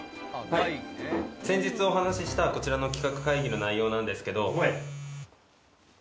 ・はい・先日お話ししたこちらの企画会議の内容なんですけど。